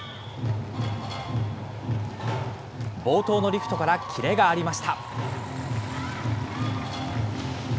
冒頭のリフトからキレがありました。